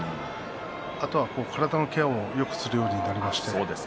あとは、体のケアをよくするようになりました。